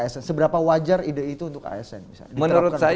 seberapa wajar ide itu untuk asn